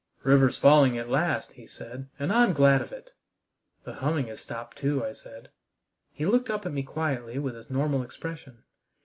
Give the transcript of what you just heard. "River's falling at last," he said, "and I'm glad of it." "The humming has stopped too," I said. He looked up at me quietly with his normal expression.